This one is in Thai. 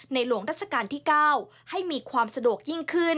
หลวงรัชกาลที่๙ให้มีความสะดวกยิ่งขึ้น